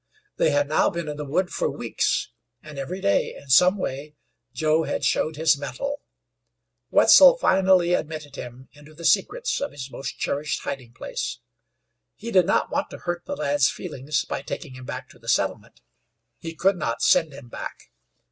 They had now been in the woods for weeks and every day in some way had Joe showed his mettle. Wetzel finally admitted him into the secrets of his most cherished hiding place. He did not want to hurt the lad's feelings by taking him back to the settlement; he could not send him back.